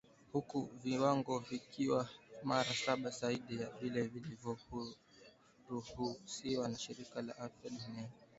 huku viwango vikiwa mara saba zaidi ya vile vinavyoruhusiwa na shirika la afya duniani